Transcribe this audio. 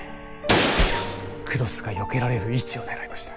黒須がよけられる位置を狙いました